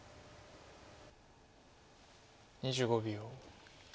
２５秒。